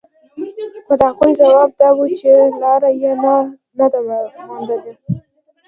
خو د هغوی ځواب دا و چې لاره يې نه ده موندلې.